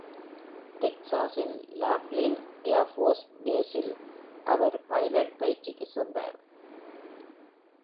டெக்சாஸின் Laughlin Air Force Base இல் அவர் pilot பயிற்சிக்கு சென்றார்.